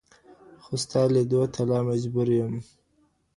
خو ستا ليدوته لا مجبور يم